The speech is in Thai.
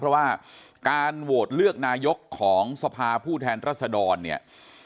เพราะว่าการโหวตเลือกนายกของสภาผู้แทนรัศดรเนี่ย